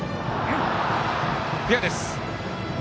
フェアです！